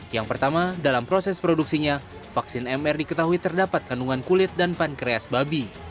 yang pertama dalam proses produksinya vaksin mr diketahui terdapat kandungan kulit dan pankreas babi